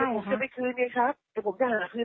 เดี๋ยวผมจะไปคืนเองครับเดี๋ยวผมจะหาคืนให้ครับ